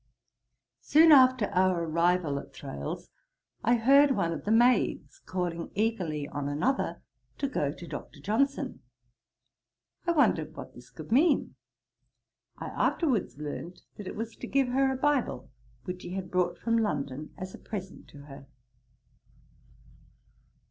Soon after our arrival at Thrale's, I heard one of the maids calling eagerly on another, to go to Dr. Johnson. I wondered what this could mean. I afterwards learnt, that it was to give her a Bible, which he had brought from London as a present to her.